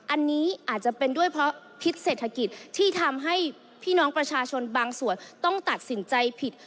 อันนี้อาจจะเป็นด้วยเพราะพิษเศรษฐกิจที่ทำให้พี่น้องประชาชนบางส่วนต้องตัดสินใจผิด